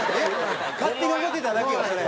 勝手に思うてただけよそれ。